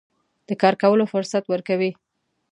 د کار کولو فرصت ورکوي.